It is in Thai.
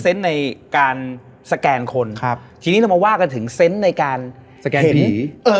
ในการสแกนคนครับทีนี้เรามาว่ากันถึงเซนต์ในการสแกนสี